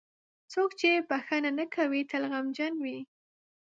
• څوک چې بښنه نه کوي، تل غمجن وي.